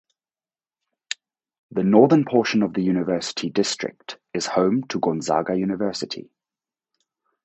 The northern portion of the University District is home to Gonzaga University.